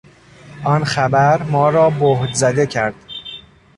آن خبر ما را بهت زده کرد.